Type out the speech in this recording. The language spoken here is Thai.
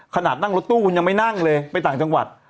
ขนาดนั่งรถตู้คุณยังไม่นั่งเลยไปต่างจังหวัด